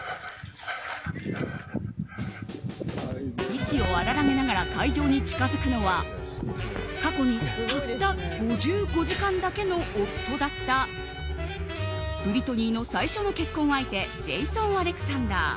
息を荒らげながら会場に近づくのは過去にたった５５時間だけの夫だったブリトニーの最初の結婚相手ジェイソン・アレクサンダー。